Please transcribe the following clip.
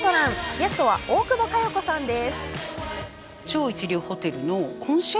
ゲストは大久保佳代子さんです。